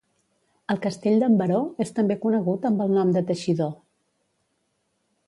El Castell d'en Baró és també conegut amb el nom de Teixidor.